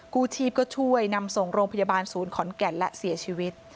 กู้ชีพก็ช่วยนำส่งโรงพยาบาลศูนย์ขอนแก่นและเสียชีวิต